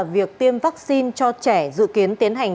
việc tiêm vaccine cho trẻ dự kiến tiến hành